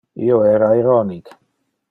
Io era ironic.